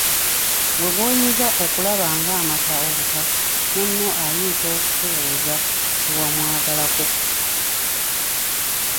Ggwe gw'oyinza okulaba ng'amata obuta munno ayinza okukubuuza kye wamwagalako.